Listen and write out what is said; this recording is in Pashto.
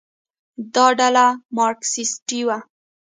دا ډله مارکسیستي وه.